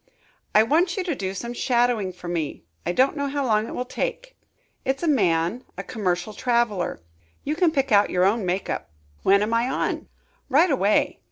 "I want you to do some shadowing for me, I don't know how long it will take. It's a man a commercial traveler. You can pick out your own make up." "When am I on?" "Right away."